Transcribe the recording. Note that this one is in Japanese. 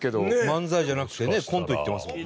漫才じゃなくてねコントいってますもんね。